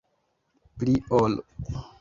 Pli ol.